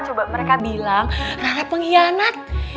coba mereka bilang karena pengkhianat